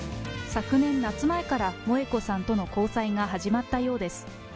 昨年夏前から、萌子さんとの交際が始まったようです。